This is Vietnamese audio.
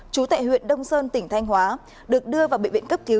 chú tại huyện đông sơn tỉnh thanh hóa được đưa vào bệnh viện cấp cứu